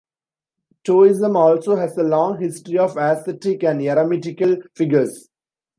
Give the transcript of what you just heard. Taoism also has a long history of ascetic and eremitical figures.